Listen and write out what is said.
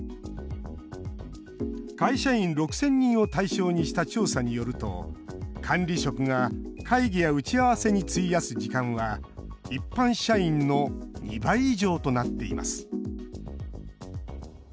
会社員６０００人を対象にした調査によると、管理職が会議や打ち合わせに費やす時間は一般社員の２倍以上となっています。